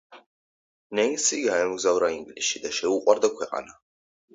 ნენსი გაემგზავრა ინგლისში და შეუყვარდა ქვეყანა.